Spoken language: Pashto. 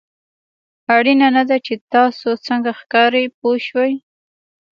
اړینه نه ده چې تاسو څنګه ښکارئ پوه شوې!.